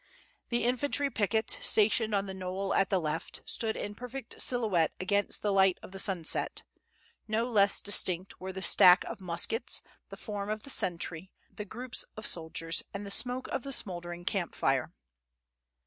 The infantry picket, stationed on the knoll at the left, stood in perfect silhouette against the light of the sunset; no less distinct were the stacks of muskets, the form of the sentry, the groups of soldiers, and the smoke of the smouldering camp fire.